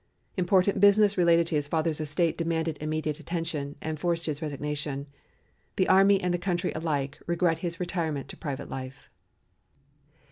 Important business relating to his father's estate demanded immediate attention, and forced his resignation. The army and the country alike regret his retirement to private life.